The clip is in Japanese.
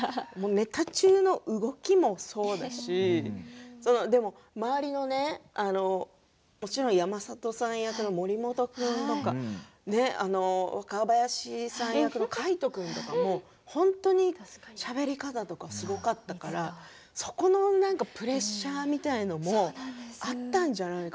ネタ中の動きもそうですしでも、周りのね山里さん役の森本君とか若林さん役の海人君なんかも本当にしゃべり方すごかったからそのプレッシャーみたいなものもあったんじゃないですか？